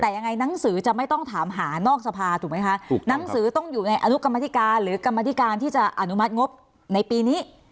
แต่ยังไงหนังสือจะไม่ต้องถามหานอกสภาถูกไหมคะหนังสือต้องอยู่ในอนุกรรมธิการหรือกรรมธิการที่จะอนุมัติงบในปีนี้